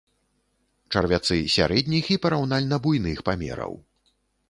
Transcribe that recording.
Чарвяцы сярэдніх і параўнальна буйных памераў.